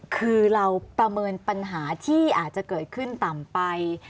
คือเราประเมินปัญหาที่อาจจะเกิดขึ้นต่ำไป